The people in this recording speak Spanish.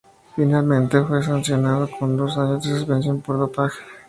Finalmente fue sancionado con dos años de suspensión por dopaje.